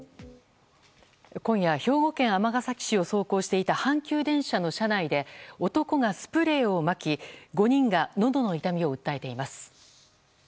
今夜兵庫県尼崎市を走行していた阪急電車の車内で男がスプレーをまき５人がのどの痛みを訴えています。